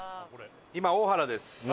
今大原です。